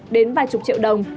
đến vài chục triệu đồng